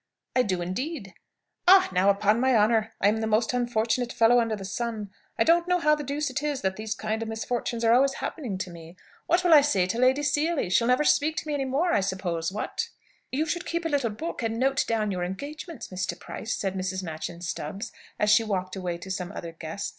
"I do, indeed." "Ah, now, upon my honour, I am the most unfortunate fellow under the sun! I don't know how the deuce it is that these kind of misfortunes are always happening to me. What will I say to Lady Seely? She'll never speak to me any more, I suppose, what?" "You should keep a little book and note down your engagements, Mr. Price," said Mrs. Machyn Stubbs, as she walked away to some other guest.